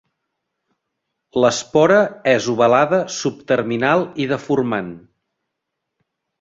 L'espora és ovalada subterminal i deformant.